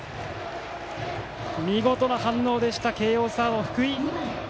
見事な反応でした慶応サード、福井！